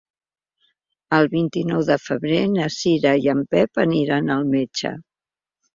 El vint-i-nou de febrer na Cira i en Pep aniran al metge.